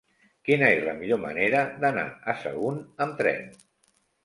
Quina és la millor manera d'anar a Sagunt amb tren?